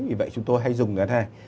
vì vậy chúng tôi hay dùng là này